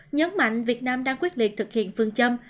nhấn mạnh việt nam đang quyết liệt thực hiện phương châm